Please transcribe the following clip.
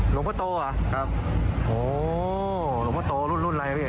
หลวงพระโตเหรอครับโอ้โฮหลวงพระโตรุ่นอะไรครับพี่